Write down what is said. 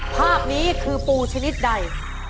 ภาพนี้คือปูชนิดใด